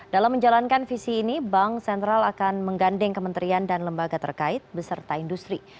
dalam menjalankan visi ini bank sentral akan menggandeng kementerian dan lembaga terkait beserta industri